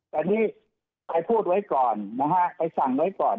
แต่นี่ใครพูดไว้ก่อนนะฮะไปสั่งไว้ก่อน